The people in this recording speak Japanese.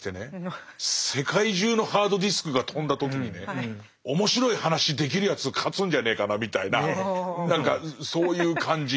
世界中のハードディスクがとんだ時にね面白い話できるやつ勝つんじゃねえかなみたいな何かそういう感じ。